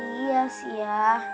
iya sih ya